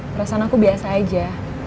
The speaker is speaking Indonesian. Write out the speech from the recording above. perasaan aku biasa aja